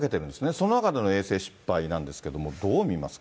その中での衛星失敗なんですけど、どう見ますか？